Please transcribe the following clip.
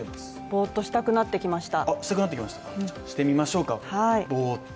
ぼーっとしたくなってきました。